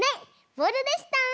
ボールでした。